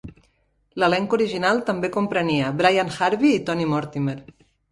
L'elenc original també comprenia Brian Harvey i Tony Mortimer.